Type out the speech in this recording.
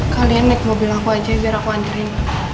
kalian naik mobil aku aja biar aku antri